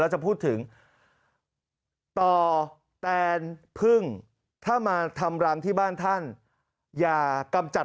จะพูดถึงต่อแตนพึ่งถ้ามาทำรังที่บ้านท่านอย่ากำจัด